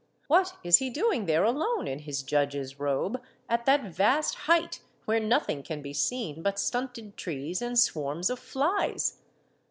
What is he doing there alone, in his judge's robe, at that vast height where nothing can be seen but stunted trees and swarms of flies?